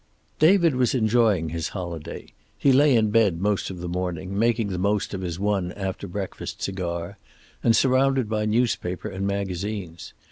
XXX David was enjoying his holiday. He lay in bed most of the morning, making the most of his one after breakfast cigar and surrounded by newspaper and magazines.